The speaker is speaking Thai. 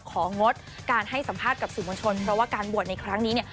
งดการให้สัมภาษณ์กับสื่อมวลชนเพราะว่าการบวชในครั้งนี้เนี่ย